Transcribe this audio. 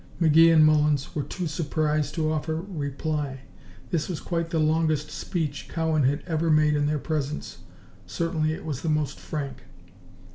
McGee and Mullins were too surprised to offer reply. This was quite the longest speech Cowan had ever made in their presence; certainly it was the most frank.